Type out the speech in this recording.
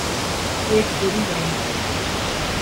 ایک پوری لائن ہے۔